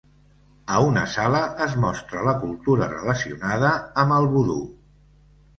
A una sala es mostra la cultura relacionada amb el vudú.